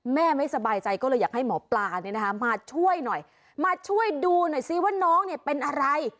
ไม่สบายใจก็เลยอยากให้หมอปลามาช่วยหน่อยมาช่วยดูหน่อยซิว่าน้องเนี่ยเป็นอะไร